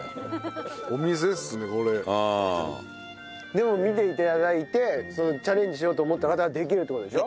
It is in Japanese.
でも見て頂いてチャレンジしようと思った方はできるって事でしょ？